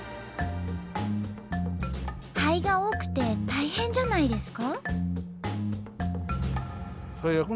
灰が多くて大変じゃないですか？